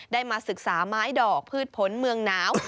ได้มาศึกษาไม้ดอกพืชผลเมืองหนาว